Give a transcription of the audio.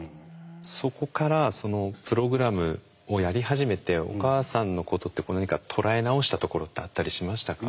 そこからそのプログラムをやり始めてお母さんのことってこう何か捉え直したところってあったりしましたか？